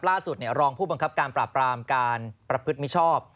ล่าสุดรองผู้บังคับการปราบรามการปรับพืชมิชอบ